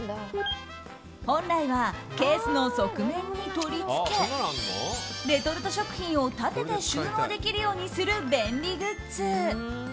本来はケースの側面に取り付けレトルト食品を立てて収納できるようにする便利グッズ。